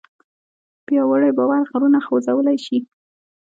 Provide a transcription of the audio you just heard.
پیاوړی باور غرونه خوځولی شي.